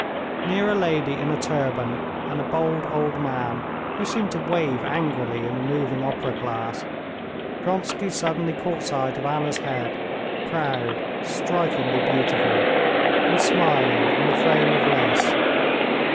Near a lady in a turban and a bald old man, who seemed to wave angrily in the moving opera glass, Vronsky suddenly caught sight of Anna's head, proud, strikingly beautiful, and smiling in the frame of lace.